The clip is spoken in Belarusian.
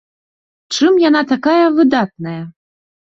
Чым яна такая выдатная?